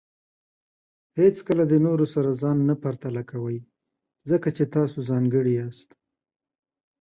هیڅکله د نورو سره ځان نه پرتله کوئ، ځکه چې تاسو ځانګړي یاست.